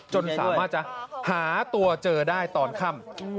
จนสามารถจะหาตัวเจอได้ตอนค่ำ